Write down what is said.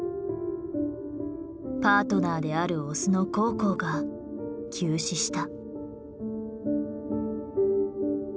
パートナーであるオスのコウコウが急死した。